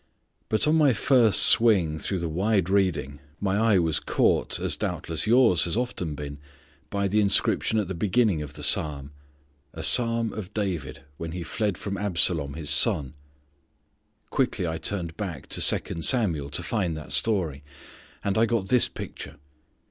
But on my first swing through of the wide reading, my eye was caught, as doubtless yours has often been, by the inscription at the beginning of the psalm: "A psalm of David, when he fled from Absalom his son." Quickly I turned back to Second Samuel to find that story. And I got this picture.